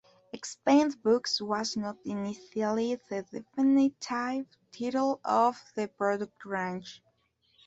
"Expanded Books" was not initially the definitive title of the product range.